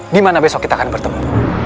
dimana besok kita akan bertemu